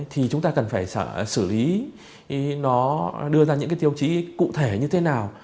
thì chúng ta cần phải xử lý nó đưa ra những cái tiêu chí cụ thể như thế nào